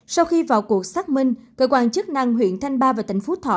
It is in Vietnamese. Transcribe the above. sau khi vào cuộc xác minh cơ quan chức năng huyện thanh ba và tỉnh phú thọ